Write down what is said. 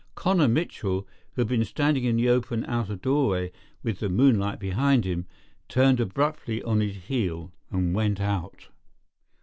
Connor Mitchell, who had been standing in the open outer doorway with the moonlight behind him, turned abruptly on his heel and went out.